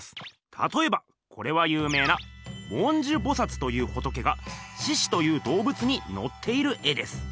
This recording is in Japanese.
たとえばこれは有名な文殊菩薩という仏が獅子という動物にのっている絵です。